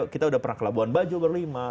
kita udah pernah ke labuan bajo berlima